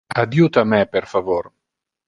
Adjuta me, per favor.